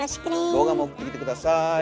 動画も送ってきて下さい。